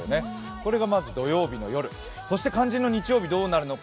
これがまず土曜日の夜、肝心の日曜日どうなるのか。